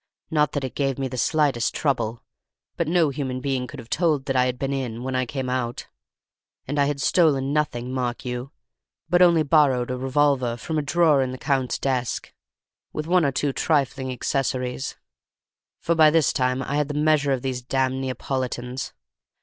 Not that it gave me the slightest trouble; but no human being could have told that I had been in, when I came out. And I had stolen nothing, mark you, but only borrowed a revolver from a drawer in the Count's desk, with one or two trifling accessories; for by this time I had the measure of these damned Neapolitans.